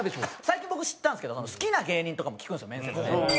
最近僕知ったんですけど好きな芸人とかも聞くんですよ面接で。